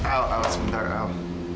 al al sebentar al